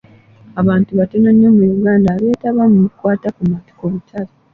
Abantu batono nnyo mu Uganda abeetaba mu bikwaata ku butale.